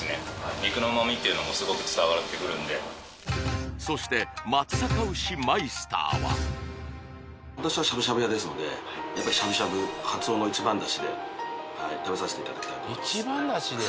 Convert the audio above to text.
肉の旨みっていうのもすごく伝わってくるんでそして松阪牛マイスターは私はしゃぶしゃぶ屋ですのでやっぱしゃぶしゃぶカツオの一番だしで食べさせていただきたいと思います